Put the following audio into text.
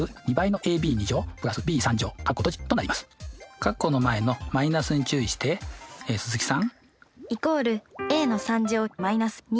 括弧の前のマイナスに注意して鈴木さん？